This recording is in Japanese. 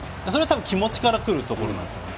多分気持ちからくるところなんですが。